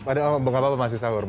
padahal nggak apa apa masih sahur